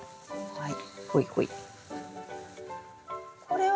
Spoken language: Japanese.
はい。